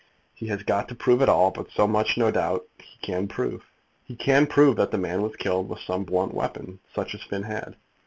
He has got to prove it all, but so much no doubt he can prove. He can prove that the man was killed with some blunt weapon, such as Finn had.